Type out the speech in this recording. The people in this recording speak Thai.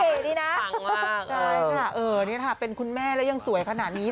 ไม่ธรรมดานะฟังมากเออนี่ค่ะเป็นคุณแม่แล้วยังสวยขนาดนี้